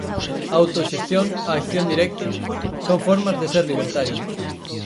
A autoxestión, a acción directa... son formas de ser libertario.